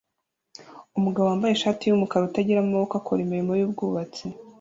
Umugabo wambaye ishati yumukara utagira amaboko akora imirimo yubwubatsi